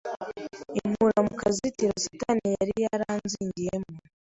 inkura mu kazitiro satani yari yaranzingiyemo,